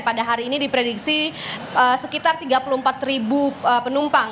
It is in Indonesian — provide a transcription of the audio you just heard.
pada hari ini diprediksi sekitar tiga puluh empat penumpang